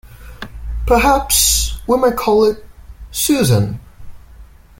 Perhaps we might call it Susan.